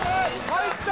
入った！